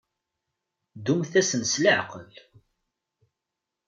Ddumt-asen s leɛqel.